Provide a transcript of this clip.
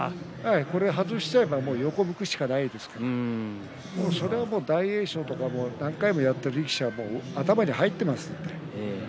外しちゃえば横を向くしかないですからそれを大栄翔とか何回もやっている力士は頭に入っていますので。